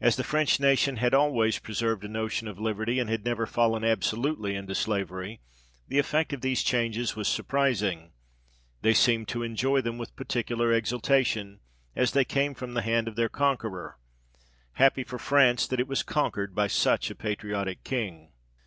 As the French nation had always preserved a notion of liberty, and had never fallen absolutely into slavery, the effect of these changes was surprising ; they seemed to enjoy them with par ticular exultation, as they came from the hand of their conqueror ; happy for France, that it was conquered by such a patriot King